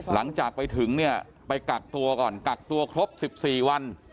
หลังจากไปถึงเนี่ยไปกักตัวก่อนกักตัวครบ๑๔วัน